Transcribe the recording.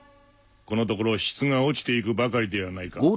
このところ質が落ちていくばかりではないか。